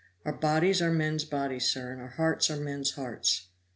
Our bodies are men's bodies, sir, and our hearts are men's hearts.